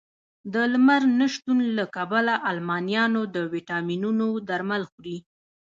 د لمر نه شتون له کبله المانیان د ویټامینونو درمل خوري